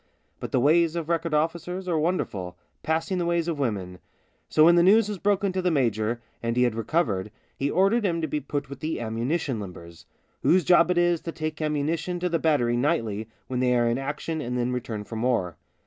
But the ways of record officers are wonderful — passing the ways of women. So when the news was broken to the major, and he had recovered, he ordered him to be put with the ammunition limbers, whose job it is to take ammunition to the battery nightly when they are in action and then return [for more.